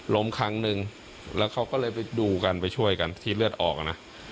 ครั้งนึงแล้วเขาก็เลยไปดูกันไปช่วยกันที่เลือดออกนะ